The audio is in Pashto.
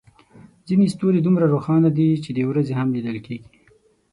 ځینې ستوري دومره روښانه دي چې د ورځې هم لیدل کېږي.